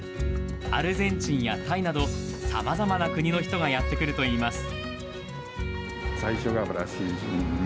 アルゼンチンやタイなどさまざまな国の人がやって来るといいます。